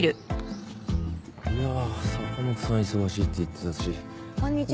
いやあ坂本さん忙しいって言ってたし。